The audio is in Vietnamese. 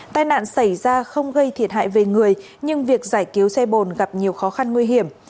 tai nạn xảy ra không gây thiệt hại về người nhưng việc giải cứu xe bồn gặp nhiều khó khăn nguy hiểm